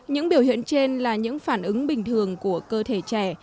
những biểu hiện trên là những phản ứng bình thường của cơ thể trẻ